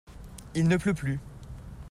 Il ne pleut plus.